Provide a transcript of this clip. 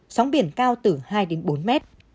sống biển cao từ hai bốn m